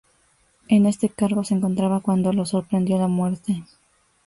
En este cargo se encontraba cuando lo sorprendió la muerte.